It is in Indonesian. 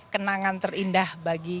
kenangan terindah bagi